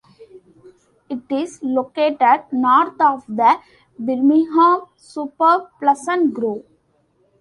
It is located north of the Birmingham suburb, Pleasant Grove.